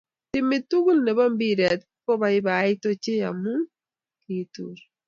Timit tugul nebo mbiret kobaibait ochey amu kitur .